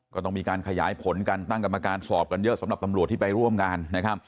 ก็ต้องมีการขยายผลกันตั้งกรรมการสอบกันเยอะสำหรับตำรวจที่ไปร่วมงานนะครับ